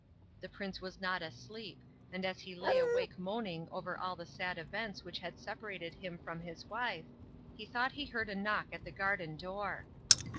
The prince was not asleep, and as he lay awake moaning over all the sad events which had separated him from his wife, he thought he heard a knock at the garden door.